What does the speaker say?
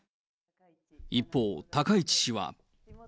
一方、高市氏は。